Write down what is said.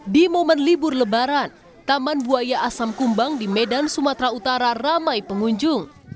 di momen libur lebaran taman buaya asam kumbang di medan sumatera utara ramai pengunjung